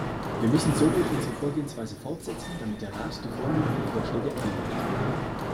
Wir müssen somit unsere Vorgehensweise fortsetzen, damit der Rat die vorliegenden Vorschläge annimmt.